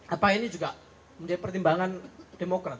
apa ini juga menjadi pertimbangan demokrat